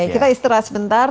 kita istirahat sebentar